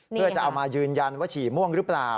เพื่อจะเอามายืนยันว่าฉี่ม่วงหรือเปล่า